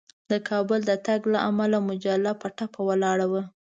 د کابل د تګ له امله مجله په ټپه ولاړه وه.